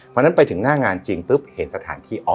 วันนั้นไปถึงหน้างานจริงปุ๊บเห็นสถานที่